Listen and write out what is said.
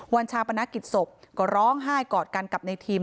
ชาปนกิจศพก็ร้องไห้กอดกันกับในทีม